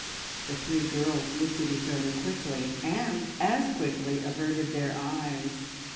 The three girls looked at each other quickly, and as quickly averted their eyes.